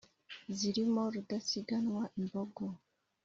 zirimo rudasiganywa imbago